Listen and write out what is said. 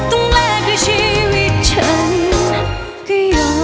ต้องแรกให้ชีวิตฉันก็ยอม